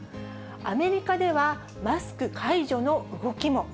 アメリカではマスク解除の動きも。